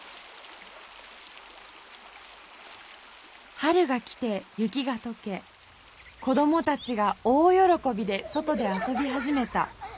春が来て雪がとけ子どもたちが大よろこびで外であそびはじめた。